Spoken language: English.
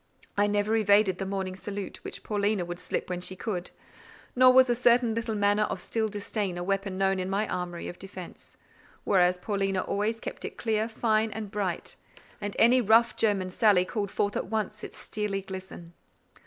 I never evaded the morning salute, which Paulina would slip when she could; nor was a certain little manner of still disdain a weapon known in my armoury of defence; whereas, Paulina always kept it clear, fine, and bright, and any rough German sally called forth at once its steelly glisten.